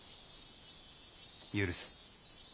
許す。